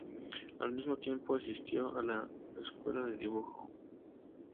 Al mismo tiempo asistió a la escuela de dibujo.